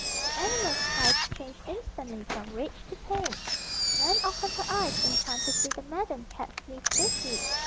The animal's cries changed instantly from rage to pain. Nan opened her eyes in time to see the maddened cat flee swiftly.